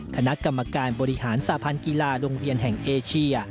คณะกรรมการบริหารสาพันธ์กีฬาโรงเรียนแห่งเอเชีย